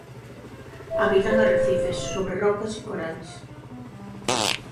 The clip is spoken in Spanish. Habita en arrecifes, sobre rocas y corales.